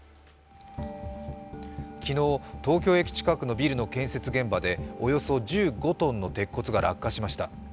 昨日、東京駅近くのビルの建設現場でおよそ１５ｔの鉄骨が落下しました。